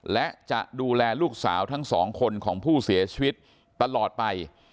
และจะดูแลลูกสาวทั้งสองคนของผู้เสียชีวิตตลอดไป